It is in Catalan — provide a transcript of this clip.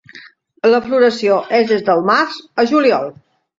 La floració és des del Març a Juliol.